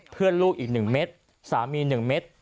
เพื่อนลูกอีก๑เม็ดสามี๑เม็ด